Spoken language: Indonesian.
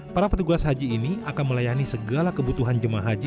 para petugas haji ini akan melayani segala kebutuhan jemaah haji